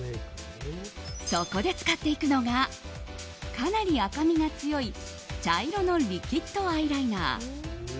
そこで使っていくのがかなり赤みが強い茶色のリキッドアイライナー。